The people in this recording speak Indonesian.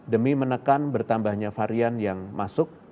demi menekan bertambahnya varian yang masuk